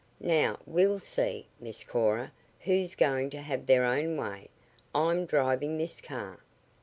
"Now we'll see, Miss Cora, who's going to have their own way. I'm driving this car."